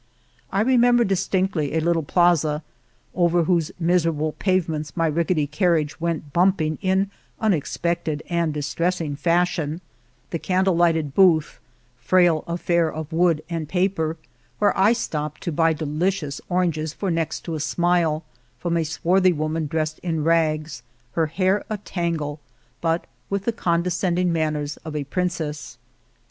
I remember distinctly in a little plaza, over whose miser able pavements my rickety carriage went bumping in unexpected and distressing fash ion, the candle lighted booth, frail affair of wood and paper, where I stopped to buy delicious oranges for next to a smile from a swarthy woman dressed in rags, her hair a tangle but with the condescending man ners of a princess.